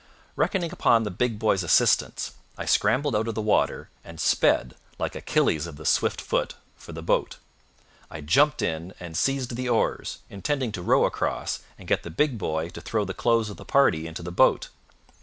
Reckoning upon the big boy's assistance, I scrambled out of the water, and sped, like Achilles of the swift foot, for the boat. I jumped in and seized the oars, intending to row across, and get the big boy to throw the clothes of the party into the boat.